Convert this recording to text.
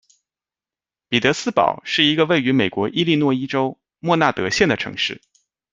彼得斯堡是一个位于美国伊利诺伊州默纳德县的城市。